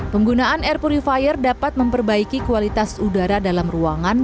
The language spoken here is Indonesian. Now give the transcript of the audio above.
penggunaan air purifier dapat memperbaiki kualitas udara dalam ruangan